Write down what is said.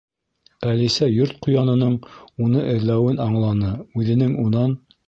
Әлисә Йорт ҡуянының уны эҙләүен аңланы, үҙенең унан